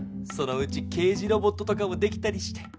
そのうち刑事ロボットとかもできたりして。